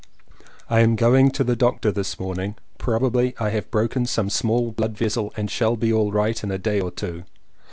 I am going to the doctor this morning. Probably I have broken some small blood vessel and shall be all right in a day or two.